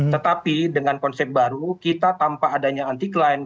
tetapi dengan konsep baru kita tanpa adanya anti client